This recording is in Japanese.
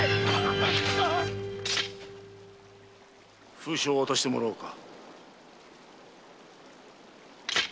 封書を渡してもらおうか。